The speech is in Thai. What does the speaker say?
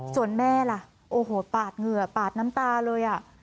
ส่วนแม่ล่ะโอ้โหปาดเหงื่อปาดน้ำตาเลย